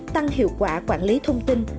tăng hiệu quả quản lý thông tin